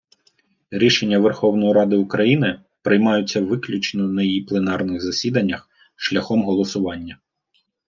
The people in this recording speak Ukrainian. Рішення Верховної Ради України приймаються виключно на її пленарних засіданнях шляхом голосування.